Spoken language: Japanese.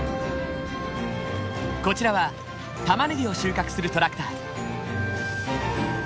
こちらはたまねぎを収穫するトラクター。